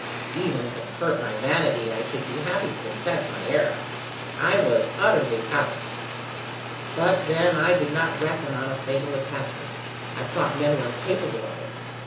Even if it hurt my vanity, I should be happy to confess my error: I was utterly out. But then I did not reckon on a fatal attachment, I thought men were incapable of it.